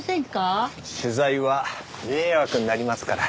取材は迷惑になりますから。